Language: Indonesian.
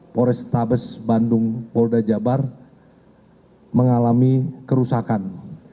pores tabes bandung polda jabar mengalami kerusakan